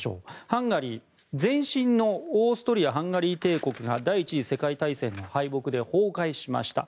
ハンガリーは前身のオーストリア・ハンガリー帝国が第１次世界大戦の敗北で崩壊しました。